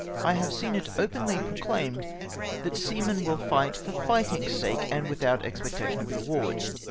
I have seen it openly proclaimed that seamen will fisT; ht for fio;]itino:'s sake, and without expectation of reward.